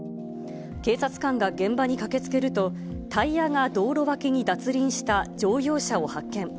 警察官が現場に駆けつけると、タイヤが道路脇に脱輪した乗用車を発見。